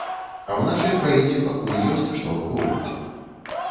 А ў нашай краіне пакуль ёсць што ахоўваць.